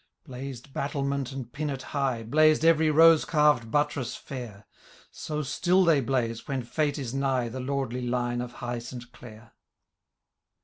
Blazed battlement and pinnet high. Blazed every rose carved buttress fair — So still they blaze, when &te is nigh The lordly line of high St Clair.